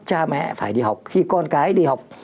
cha mẹ phải đi học khi con cái đi học